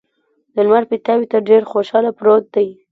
د لمر پیتاوي ته ډېر خوشحاله پروت دی.